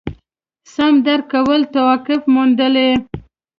سم درک کولو توفیق موندلي.